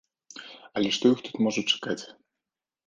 Але што іх тут можа чакаць?